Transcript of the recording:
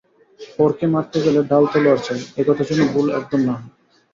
পরকে মারতে গেলে ঢাল-তলওয়ার চাই, এ কথা যেন ভুল একদম না হয়।